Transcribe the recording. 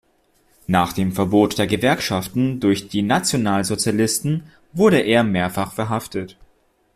Nach dem Verbot der Gewerkschaften durch die Nationalsozialisten wurde er mehrfach verhaftet.